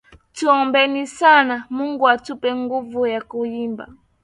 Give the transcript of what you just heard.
Tuombeni sana mungu atupe nguvu ya kurima